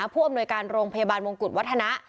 ผู้อำนวยการโรงพยาบาลมงกุฎวัฒนะ